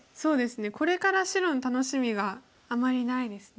これから白の楽しみがあまりないですね。